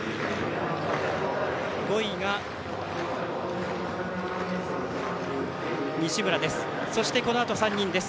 ５位が西村です。